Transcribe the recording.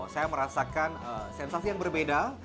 saya merasakan sensasi yang berbeda